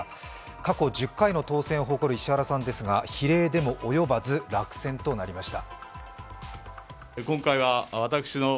過去１０回の当選を誇る石原さんですが比例でも及ばず、落選となりました